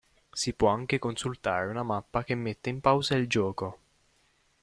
Si può anche consultare una mappa che mette in pausa il gioco.